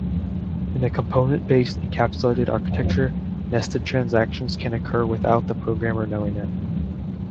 In a component-based encapsulated architecture, nested transactions can occur without the programmer knowing it.